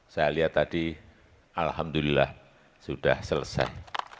saya lihat tadi alhamdulillah sudah selesai